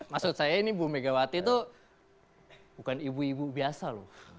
maksud saya ini bu megawati itu bukan ibu ibu biasa loh